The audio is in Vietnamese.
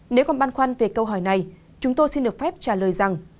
nếu còn băn khoăn về câu hỏi này chúng tôi xin được phép trả lời rằng